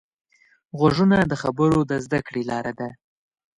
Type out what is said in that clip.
غوږونه د خبرو د زده کړې لاره ده